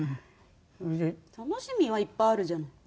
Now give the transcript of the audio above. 楽しみはいっぱいあるじゃない。